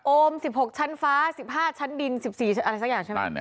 ๑๖ชั้นฟ้า๑๕ชั้นดิน๑๔อะไรสักอย่างใช่ไหม